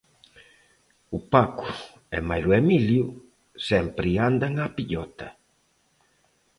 O Paco e mailo Emilio sempre andan á pillota.